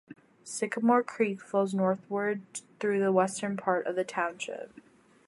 Sycamore Creek flows northward through the western part of the township.